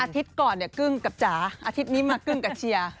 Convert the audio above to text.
อาทิตย์ก่อนก็กึ้งกับจ๋าอาทิตย์นี้มากึ้งกับเชียร์